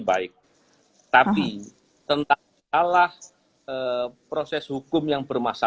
kemudian kemudian oke baik bagaimana kehilangan di tali bang are profesional biasanya apa bahaya